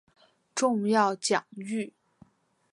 重要奖誉